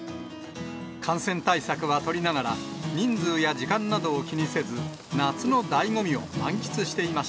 感染対策は取りながら、人数や時間などを気にせず、夏のだいご味